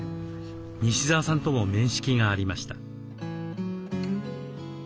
西澤さんとも面識がありました。